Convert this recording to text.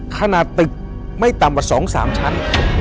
ขนาดตึกไม่ต่ำกว่า๒๓ชั้น